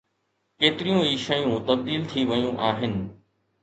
ڪيتريون ئي شيون تبديل ٿي ويون آهن.